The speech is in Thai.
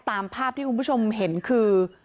ตามภาพที่คุณผู้ชมเห็นคือ